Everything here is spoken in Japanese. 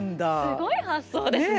すごい発想ですね。